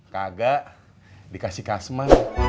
kagak dikasih kasma